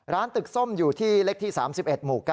ตึกส้มอยู่ที่เลขที่๓๑หมู่๙